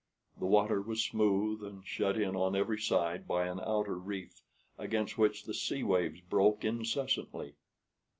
The water was smooth, and shut in on every side by an outer reef against which the sea waves broke incessantly.